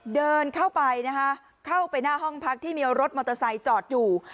เดินเข้าไปนะคะเข้าไปหน้าห้องพักที่มีรถมอเตอร์ไซค์จอดอยู่